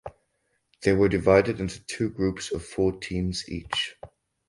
They were divided into two groups of four teams each.